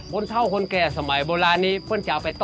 บนเท่าคนแก่สมัยโบราณนี้พึ่งจะเอาไปต้ม